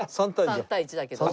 ３対１だけど。